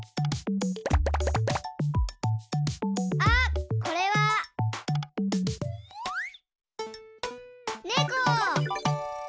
あっこれは。ネコ！